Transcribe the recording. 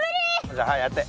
じゃあはいやって。